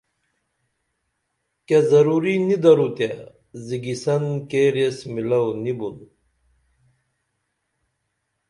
کیہ ضروری نی درو تے زیگیسن کیر ایس میلو نی بُن